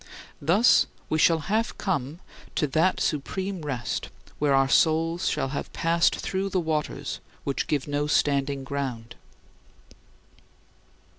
Thus, we shall have come to that supreme rest where our souls shall have passed through the waters which give no standing ground.